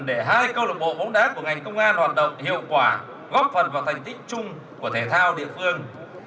để hai câu lạc bộ bóng đá của ngành công an hoạt động hiệu quả góp phần vào thành tích chung của thể thao địa phương